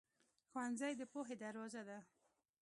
ښوونځی د پوهې دروازه ده.